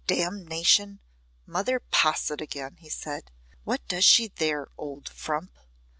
"Damnation! Mother Posset again," he said. "What does she there, old frump?"